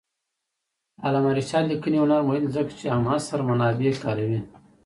د علامه رشاد لیکنی هنر مهم دی ځکه چې همعصر منابع کاروي.